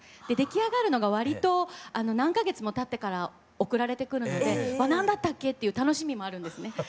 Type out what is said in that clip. で出来上がるのが割と何か月もたってから送られてくるので何だったっけ？っていう楽しみもあるんですね。